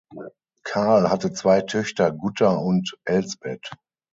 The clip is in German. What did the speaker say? Karl hatte zwei Töchter Gutta und Elsbeth.